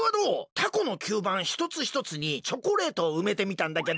タコのきゅうばんひとつひとつにチョコレートをうめてみたんだけど。